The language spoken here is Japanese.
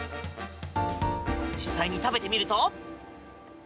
実際に食べてみると。